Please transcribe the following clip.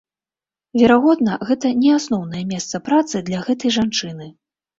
Верагодна, гэта не асноўнае месца працы для гэтай жанчыны.